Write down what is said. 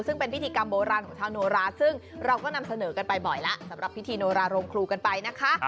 ซึ่งเป็นพิธีกรรมโบราณของชาวโนราซึ่งเราก็นำเสนอกันไปบ่อยแล้วสำหรับพิธีโนราโรงครูกันไปนะคะ